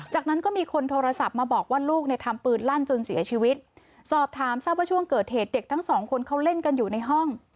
จากนั้นก็มีคนโทรศัพท์มาบอกว่าลูกเนี่ยทำปืนลั่นจนเสียชีวิตสอบถามทราบว่าช่วงเกิดเหตุเด็กทั้งสองคนเขาเล่นกันอยู่ในห้อง